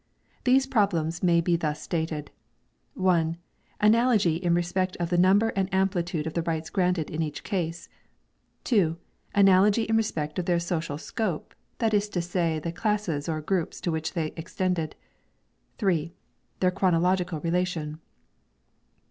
These problems may be thus stated: (i) analogy in respect of the number and amplitude of the rights granted in each case, (2) analogy in respect of their social scope, that is to say the classes or groups to which they extended, (3) their chronological relation.